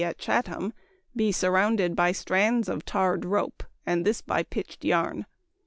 at Chatham be surrounded by strands of tarred rope, and this by pitched yarn.